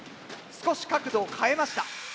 少し角度を変えました。